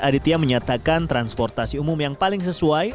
aditya menyatakan transportasi umum yang paling sesuai